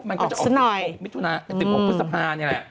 มันก็จะออกหน่อย๖มิถุนา๑๖พฤษภานี่แหละ